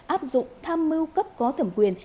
áp dụng tham mưu cấp có thẩm quyền